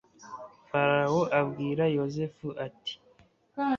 Farawo abwira Yozefu ati